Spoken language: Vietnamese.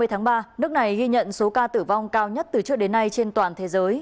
tại italia trong ngày hai mươi tháng ba nước này ghi nhận số ca tử vong cao nhất từ trước đến nay trên toàn thế giới